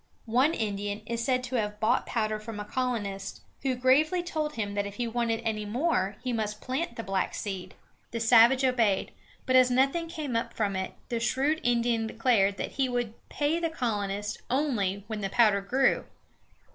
One Indian is said to have bought powder from a colonist, who gravely told him that if he wanted any more he must plant the black seed. The savage obeyed, but as nothing came up from it, the shrewd Indian declared that he would pay the colonist only when the powder grew!